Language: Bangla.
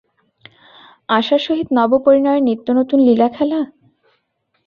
আশার সহিত নবপরিণয়ের নিত্যনূতন লীলাখেলা?